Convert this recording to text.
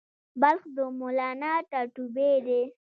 بلخ د مولانا ټاټوبی دی